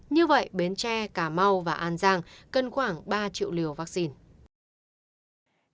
như vậy bến tre cà mau và an giang cần khoảng một triệu liều vaccine để tiêm đủ hai liều cho một trăm linh dân từ một mươi tám tuổi trở lên